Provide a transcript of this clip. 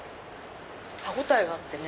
歯応えがあってね